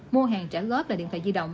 mua hàng trả góp là điện thoại di động